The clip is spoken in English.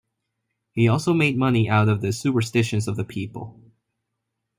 He also made money out of the superstitions of the people.